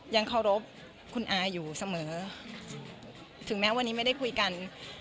ยังเคารพคุณอาอยู่เสมอถึงแม้วันนี้ไม่ได้คุยกัน